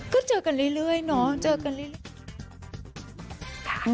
ก็เจอกันเรื่อยเนาะ